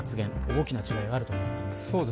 大きな違いがあると思います。